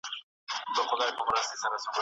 تاسو به له خپلو دوستانو سره په اخلاص چلیږئ.